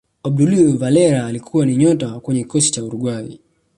obdulio valera alikuwa ni nyota kwenye kikosi cha Uruguay